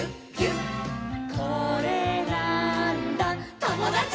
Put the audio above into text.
「これなーんだ『ともだち！』」